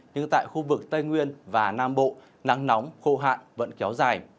nhưng tại khu vực tây nguyên và nam bộ nắng nóng khô hạn vẫn kéo dài